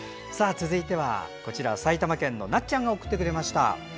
続いては埼玉県のなっちゃんが送ってくれました。